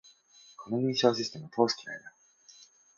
この認証システム、通す気ないだろ